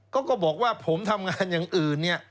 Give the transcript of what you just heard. ก็บอกว่าผมทำงานอย่างอื่นเนี่ย